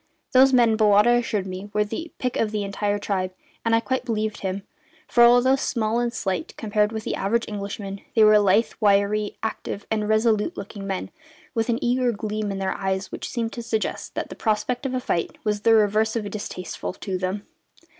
Those men, Bowata assured me, were the pick of the entire tribe, and I quite believed him, for, although small and slight compared with the average Englishman, they were lithe, wiry, active, and resolute looking men, with an eager gleam in their eyes which seemed to suggest that the prospect of a fight was the reverse of distasteful to them.